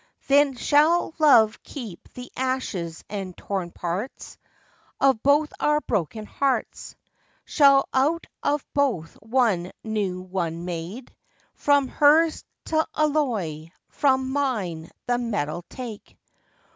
Then shall Love keep the ashes and torn parts Of both our broken hearts; Shall out of both one new one make, From hers th' alloy, from mine the metal take.